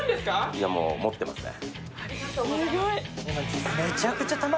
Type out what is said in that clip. いや、もう持ってますね。